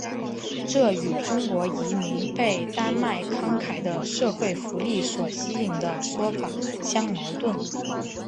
这与中国移民被丹麦慷慨的社会福利所吸引的说法相矛盾。